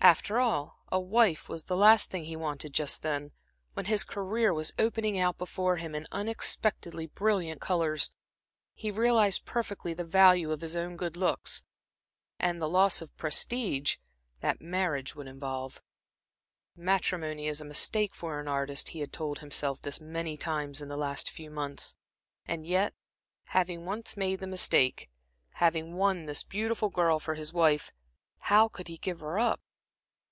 After all, a wife was the last thing that he wanted just then, when his career was opening out before him in unexpectedly brilliant colors. He realized perfectly the value of his own good looks, and the loss of prestige that marriage would involve. Matrimony is a mistake for an artist he had told himself this many times in the last few months. And yet, having once made the mistake, having won this beautiful girl for his wife, how could he give her up.